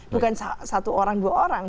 bukan satu orang dua orang